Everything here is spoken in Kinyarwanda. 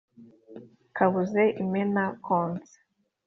kabuze imena konse